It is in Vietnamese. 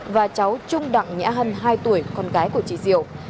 và cháu trung đặng nhã hân hai tuổi con gái của chị diệu